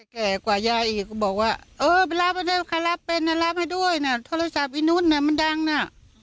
แก่กว่าย่ายอีกก็บอกว่าเออรับใครรับเป็นรับให้ด้วยนะโทรศัพท์นุษย์มันดังนะ